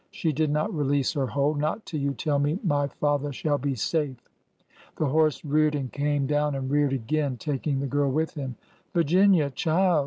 She did not release her hold. " Not till you tell me my father shall be safe !" The horse reared and came down and reared again, taking the girl with him. " Virginia ! child!